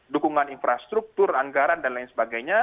dukungan infrastruktur anggaran dan lain sebagainya